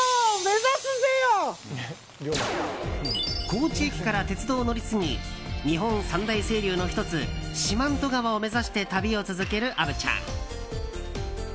高知駅から鉄道を乗り継ぎ日本三大清流の１つ四万十川を目指して旅を続ける、虻ちゃん。